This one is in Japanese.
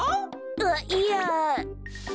あっいや。